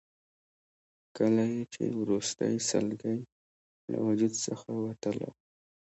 کله یې چې وروستۍ سلګۍ له وجود څخه وتله.